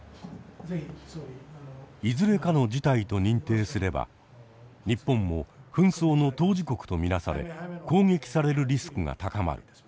いずれかの事態と認定すれば日本も紛争の当事国と見なされ攻撃されるリスクが高まる。